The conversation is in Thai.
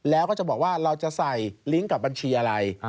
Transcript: แล้วก็จะบอกว่าเราจะใส่ลิงก์กับบัญชีอะไร